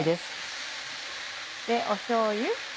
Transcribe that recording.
しょうゆ。